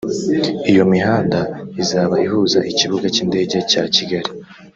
Iyo mihanda izaba ihuza Ikibuga cy’Indege cya Kigali